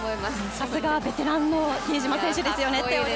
さすがベテランの比江島選手ですよね。